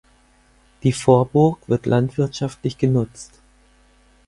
Die Vorburg wird landwirtschaftlich genutzt.